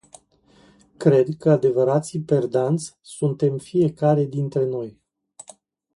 Cred că adevărații perdanți suntem fiecare dintre noi.